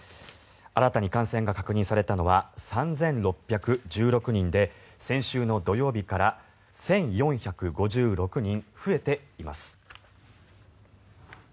新たに感染が確認されたのは３６１６人で先週の土曜日から１４５６人増えています。